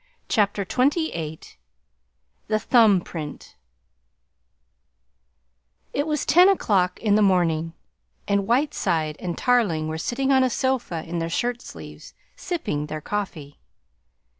CHAPTER XXVIII THE THUMB PRINT It was ten o'clock in the morning, and Whiteside and Tarling were sitting on a sofa in their shirt sleeves, sipping their coffee.